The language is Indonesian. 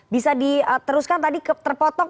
bisa diteruskan tadi terpotong